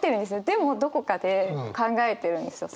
でもどこかで考えてるんですよ